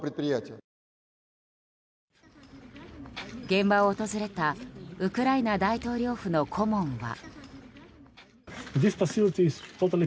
現場を訪れたウクライナ大統領府の顧問は。